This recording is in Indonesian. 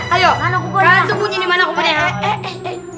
ayo kalian tunggu dimana komponennya